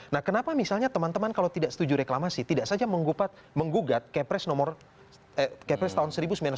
nah kenapa misalnya teman teman kalau tidak setuju reklamasi tidak saja menggugat kepres tahun seribu sembilan ratus sembilan puluh